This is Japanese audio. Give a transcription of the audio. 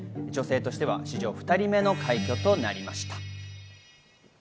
女性としては史上２人目の快挙となりました。